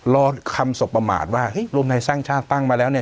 รอคำสบประมาทว่ารวมไทยสร้างชาติตั้งมาแล้วเนี่ย